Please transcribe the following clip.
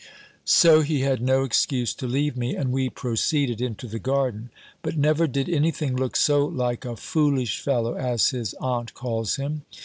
So he had no excuse to leave me, and we proceeded into the garden. But never did any thing look so like a foolish fellow, as his aunt calls him.